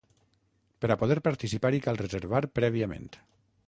Per a poder participar-hi cal reservar prèviament.